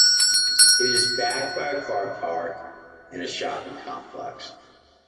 It is backed by a car-park and a shopping complex.